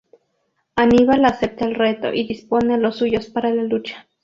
Aníbal acepta el reto y dispone a los suyos para la lucha.